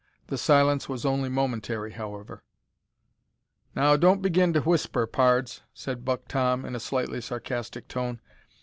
The silence was only momentary, however. "Now, don't begin to whisper, pards," said Buck Tom, in a slightly sarcastic tone.